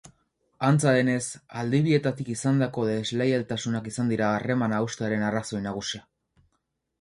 Antza denez, alde bietatik izandako desleialtasunak izan dira harremana haustearen arrazoi nagusia.